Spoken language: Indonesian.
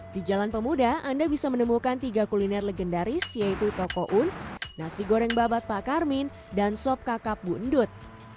di jalan pemuda anda bisa menemukan tiga kuliner legendaris yaitu toko un nasi goreng babat pak karmin dan sop kakak bundut